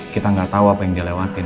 kita gak tahu apa yang dia lewatin